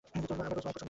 আমার rose wine পছন্দ।